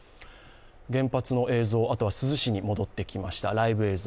原発の映像、あとは珠洲市に戻ってきました、ライブ映像。